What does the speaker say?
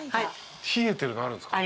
冷えてるのあるんすか？